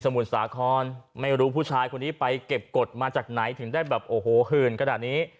มุทรสาครไม่รู้ผู้ชายคนนี้ไปเก็บกฎมาจากไหนถึงได้แบบโอ้โหหื่นขนาดนี้